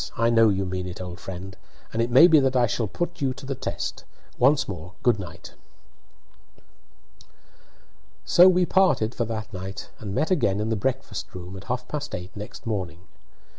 I know you mean it, old friend, and it may be that I shall put you to the test. Once more, good night." So we parted for that night, and met again in the breakfast room at half past eight next morning.